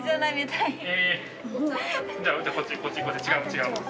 違う。